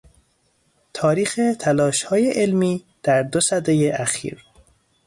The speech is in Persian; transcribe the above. تاریخ تلاش های علمی در دو سدهی اخیر